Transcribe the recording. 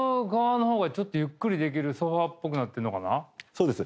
そうです。